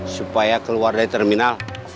supaya keluar dari terminal